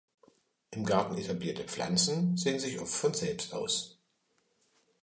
Im Garten etablierte Pflanzen säen sich oft selbst aus.